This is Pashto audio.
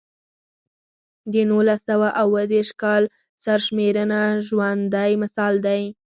د نولس سوه اووه دېرش کال سرشمېرنه ژوندی مثال دی.